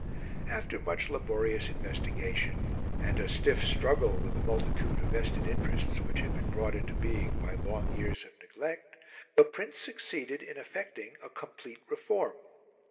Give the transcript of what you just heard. After much laborious investigation, and a stiff struggle with the multitude of vested interests which had been brought into being by long years of neglect, the Prince succeeded in effecting a complete reform.